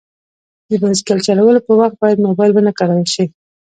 د بایسکل چلولو په وخت باید موبایل ونه کارول شي.